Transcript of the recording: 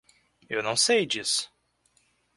Eu não sei disso.